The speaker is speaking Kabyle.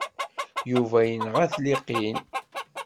Yuba yenɣa-t Liqin.